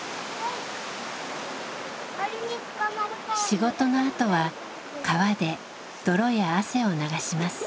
仕事のあとは川で泥や汗を流します。